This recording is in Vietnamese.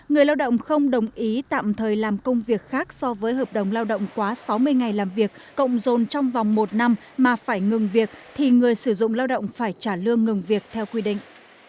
người lao động không đồng ý tạm thời làm công việc khác so với hợp đồng lao động quá sáu mươi ngày làm việc cộng dồn trong vòng một năm mà phải ngừng việc thì người sử dụng lao động phải trả lương ngừng việc theo quy định